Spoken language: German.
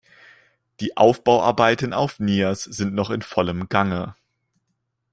Die Aufbauarbeiten auf Nias sind noch in vollem Gange.